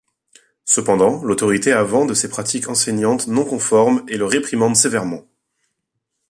Cependant, l'autorité a vent de ses pratiques enseignantes non conformes et le réprimande sévèrement.